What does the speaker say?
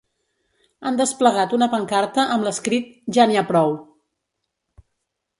Han desplegat una pancarta amb l’escrit Ja n’hi ha prou!